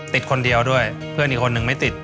ติดคนเดียวด้วยเพื่อนอีกคนนึงไม่ติด